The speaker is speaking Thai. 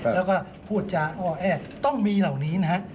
แล้วก็พูดจาอ้อแอต้องมีเหล่านี้นะฮะ